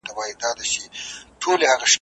انسان جوړ سو نور تر هر مخلوق وو ښکلی ,